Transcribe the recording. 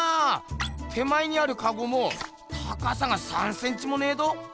手前にあるかごも高さが３センチもねぇど。